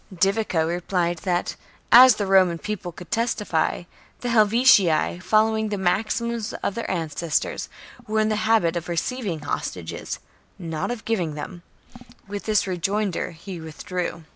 Divico replied that, as the Roman People could testify, the Helvetii, following the maxims of their ancestors, were I HELVETII AND ARIOVISTUS 13 in the habit of receiving hostages, not of giving 58 b.c. them. With this rejoinder he withdrew.